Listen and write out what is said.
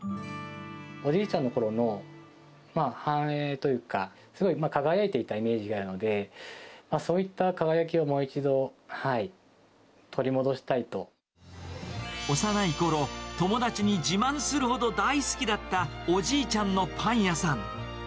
おじいちゃんのころの繁栄というか、すごい輝いていたイメージがあるので、そういった輝きをもう一度幼いころ、友達に自慢するほど大好きだったおじいちゃんのパン屋さん。